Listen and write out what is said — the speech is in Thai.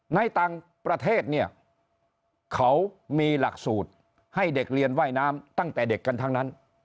ในต่างประเทศเนี่ยเขามีหลักสูตรให้เด็กเรียนว่ายน้ำตั้งแต่เด็กกันทั้งนั้น